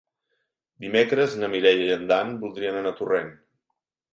Dimecres na Mireia i en Dan voldrien anar a Torrent.